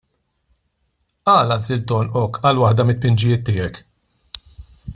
Għala għażilt għonqok għal waħda mit-tpinġijiet tiegħek?